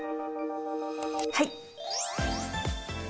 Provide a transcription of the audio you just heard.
はい。